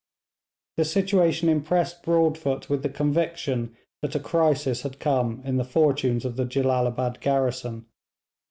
The situation impressed Broadfoot with the conviction that a crisis had come in the fortunes of the Jellalabad garrison.